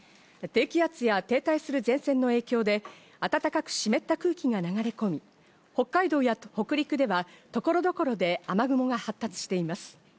低気圧や停滞する前線の影響で暖かく湿った空気が流れ込み、北海道や北陸では所々で雨雲が発達しています。